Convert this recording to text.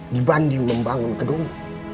dibanding membangun gedung